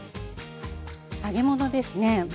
揚げ物ですね